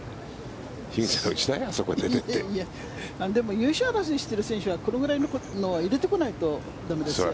でも、優勝争いをしている選手はこのぐらいのは入れてこないと駄目ですからね。